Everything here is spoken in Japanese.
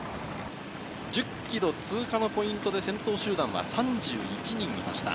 １０ｋｍ通過のポイントで先頭集団は３１人いました。